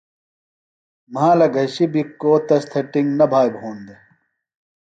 مھالہ گھشیۡ بیۡ کو تس تھےۡ ٹِنگ نہ بھا بھون دےۡ۔